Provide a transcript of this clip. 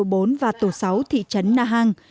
tổ bốn và tổ sáu thị trấn na hàng